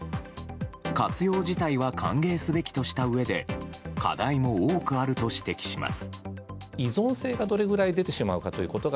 活用自体は歓迎すべきとしたうえで課題も多くあると指摘します。